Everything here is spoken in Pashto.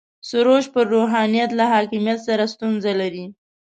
سروش پر روحانیت له حاکمیت سره ستونزه لري.